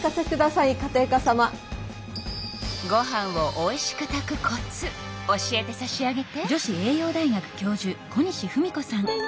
ご飯をおいしく炊くコツ教えてさしあげて。